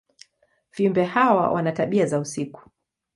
Viumbe hawa wana tabia za usiku.